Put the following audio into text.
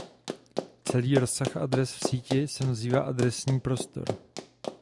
Celý rozsah adres v síti se nazývá adresní prostor.